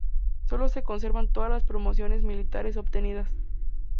Solo se conservaban todas las promociones militares obtenidas.